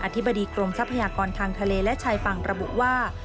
ธิบดีกรมทรัพยากรทางทะเลและชายฝั่งระบุว่า